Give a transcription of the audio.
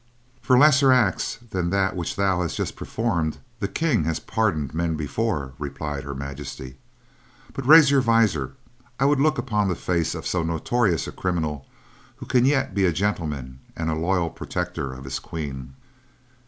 "For lesser acts than that which thou hast just performed, the King has pardoned men before," replied Her Majesty. "But raise your visor, I would look upon the face of so notorious a criminal who can yet be a gentleman and a loyal protector of his queen."